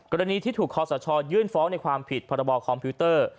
กรณีที่ถูกคอสชยื่นฟ้องในความผิดพรบคอมพิวเตอร์